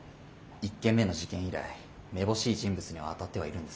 １件目の事件以来めぼしい人物には当たってはいるんですが。